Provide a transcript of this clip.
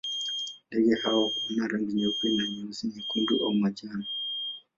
Ndege hawa wana rangi nyeupe na nyeusi, nyekundu au ya manjano.